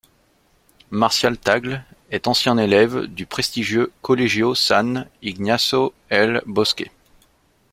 Marcial Tagle est ancien élève du prestigieux Colegio San Ignacio El Bosque.